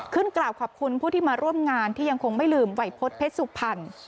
ขึ้นกราบขอบคุณผู้ที่มาร่วมงานที่ยังคงไม่ลืมไหวพบเพชรสุขภัณฑ์